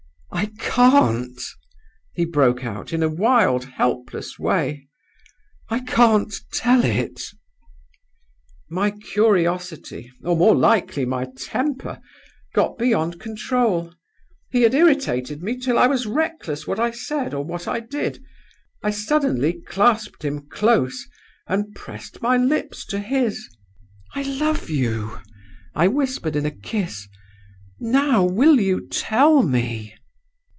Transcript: "'I can't!' he broke out in a wild, helpless way. 'I can't tell it!' "My curiosity, or more likely my temper, got beyond all control. He had irritated me till I was reckless what I said or what I did. I suddenly clasped him close, and pressed my lips to his. 'I love you!' I whispered in a kiss. 'Now will you tell me?